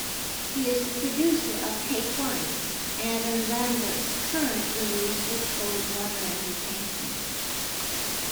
He is the producer of "Take One", Adam Lambert's current release with Coldwater Entertainment.